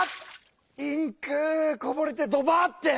インクこぼれてドバって！